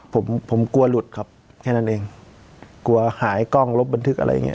ผมผมกลัวหลุดครับแค่นั้นเองกลัวหายกล้องลบบันทึกอะไรอย่างเง